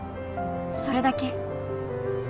それだけ？